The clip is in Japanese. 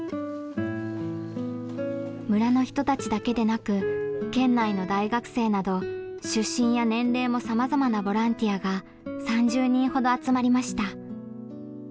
村の人たちだけでなく県内の大学生など出身や年齢もさまざまなボランティアが３０人ほど集まりました。